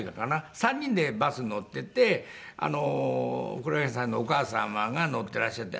３人でバスに乗っていて黒柳さんのお母様が乗っていらっしゃって。